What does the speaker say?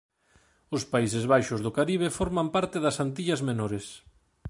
Os Países Baixos do Caribe forman parte das Antillas Menores.